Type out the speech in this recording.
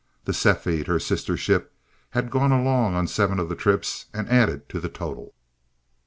The "Cepheid," her sister ship, had gone along on seven of the trips, and added to the total.